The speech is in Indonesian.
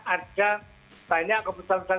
ada banyak keputusan keputusan